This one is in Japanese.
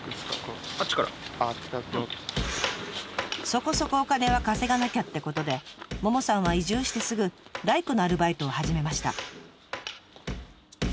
そこそこお金は稼がなきゃってことでももさんは移住してすぐ大工のアルバイトを始めました。